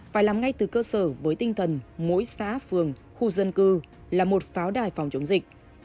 phải làm ngay từ cơ sở với tinh thần mỗi xã phường khu dân cư là một pháo đài phòng chống dịch